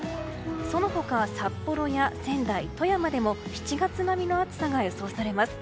その他、札幌や仙台富山でも７月並みの暑さが予想されます。